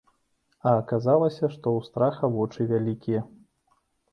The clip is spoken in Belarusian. А аказалася, што ў страха вочы вялікія!